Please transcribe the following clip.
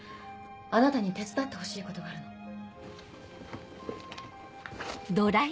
あなたに手伝ってほしいことがあるの。